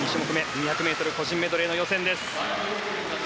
２００ｍ個人メドレーの予選。